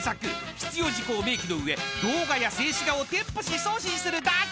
必要事項を明記の上動画や静止画を添付し送信するだけ！］